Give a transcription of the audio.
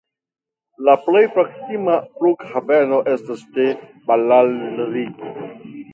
La plej proksima flughaveno estas ĉe Ballari.